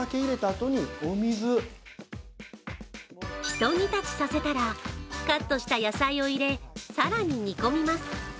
一煮立ちさせたらカットした野菜を入れ更に煮込みます。